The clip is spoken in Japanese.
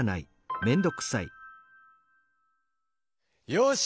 よし！